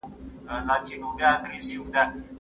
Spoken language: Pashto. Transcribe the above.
موږ د ټولنیزو پدیدو بیا کتنه کوو.